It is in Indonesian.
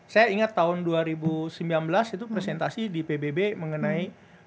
saya ingat tahun dua ribu sembilan belas itu presentasi di pbb mengenai